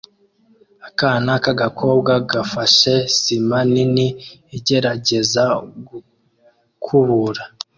Akana k'agakobwa gafashe sima nini igerageza gukubura